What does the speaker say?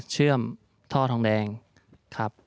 เชื่อมท่อทองแดงครับ